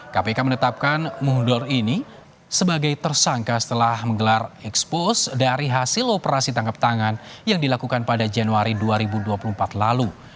kpk menetapkan mundur ini sebagai tersangka setelah menggelar ekspos dari hasil operasi tangkap tangan yang dilakukan pada januari dua ribu dua puluh empat lalu